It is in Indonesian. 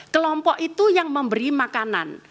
kelompok itu yang memberi makanan